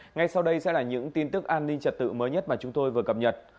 ngay sau đây sẽ là những tin tức an ninh trật tự mới nhất mà chúng tôi vừa cập nhật